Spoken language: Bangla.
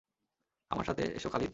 আমার সাথে এসো খালিদ!